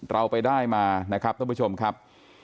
เราไปได้มานะครับท่านผู้ชมครับ